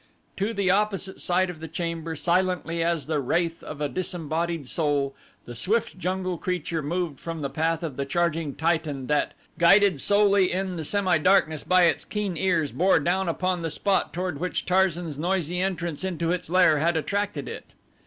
To the opposite side of the chamber, silently as the wraith of a disembodied soul, the swift jungle creature moved from the path of the charging Titan that, guided solely in the semi darkness by its keen ears, bore down upon the spot toward which Tarzan's noisy entrance into its lair had attracted it.